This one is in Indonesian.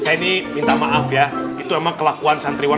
saya ini minta maaf ya itu memang kelakuan santriwan